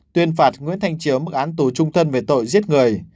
tuyên phạt nguyễn thanh chiếu mức án tù trung thân về tội giết người